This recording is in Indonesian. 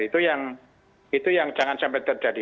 itu yang jangan sampai terjadi